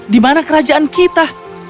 di mana kerajaan kita